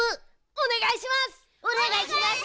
おねがいします！